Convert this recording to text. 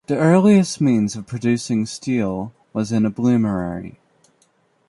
The earliest means of producing steel was in a bloomery.